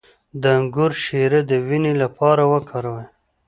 د انګور شیره د وینې لپاره وکاروئ